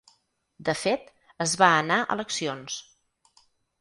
De fet, es va anar eleccions.